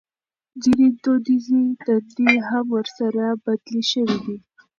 ځينې دوديزې دندې هم ورسره بدلې شوې دي.